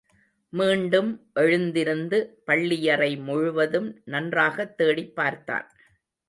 மீண்டும் எழுந்திருந்து பள்ளியறை முழுவதும் நன்றாகத் தேடிப் பார்த்தான்.